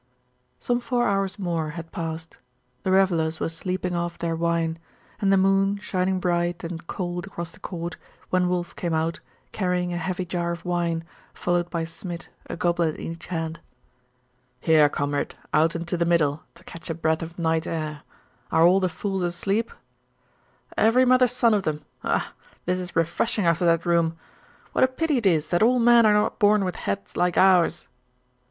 Some four hours more had passed. The revellers were sleeping off their wine, and the moon shining bright and cold across the court, when Wulf came out, carrying a heavy jar of wine, followed by Smid, a goblet in each hand. 'Here, comrade, out into the middle, to catch a breath of night air. Are all the fools asleep?' 'Every mother's son of them. Ah! this is refreshing after that room. What a pity it is that all men are not born with heads like ours!